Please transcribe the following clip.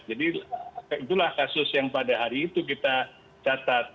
jadi itulah kasus yang pada hari itu kita catat